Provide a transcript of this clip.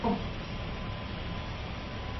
丰坦盖兰。